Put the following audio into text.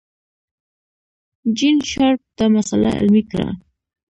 جین شارپ دا مسئله علمي کړه.